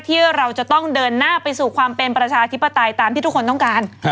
ที่เราจะต้องเดินหน้าไปสู่ความเป็นประชาธิปไตยตามที่ทุกคนต้องการ